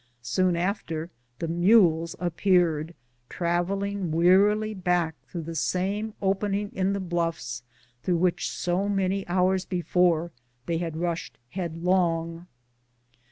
Soon after the mules appeared, travelling wearily back through the same opening in the bluffs through which so many hours before they had rushed headlong.